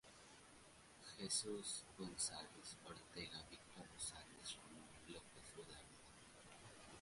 J. Jesús González Ortega, Víctor Rosales, Ramón López Velarde.